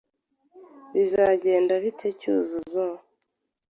Bizagenda bite Cyuzuzo?